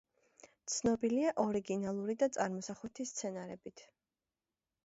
ცნობილია ორიგინალური და წარმოსახვითი სცენარებით.